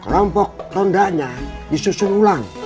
rompok tondanya disusun ulang